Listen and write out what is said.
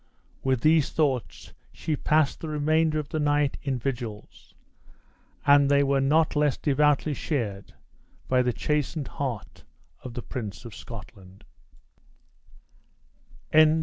With these thoughts, she passed the remainder of the night in vigils; and they were not less devoutly shared by the chastened heart of the Prince of Scotland.